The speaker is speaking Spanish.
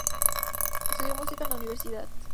Estudió música en la universidad.